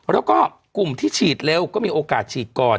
แล้วก็กลุ่มที่ฉีดเร็วก็มีโอกาสฉีดก่อน